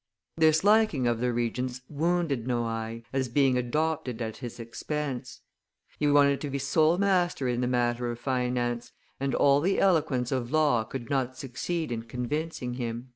This liking of the Regent's wounded Noailles, as being adopted at his expense. He wanted to be sole master in the matter of finance, and all the eloquence of Law could not succeed in convincing him."